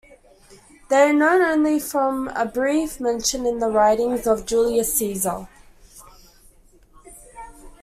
They are known only from a brief mention in the writings of Julius Caesar.